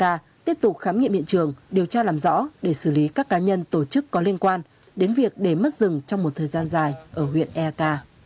điều tra tiếp tục khám nghiệm hiện trường điều tra làm rõ để xử lý các cá nhân tổ chức có liên quan đến việc để mất rừng trong một thời gian dài ở huyện eak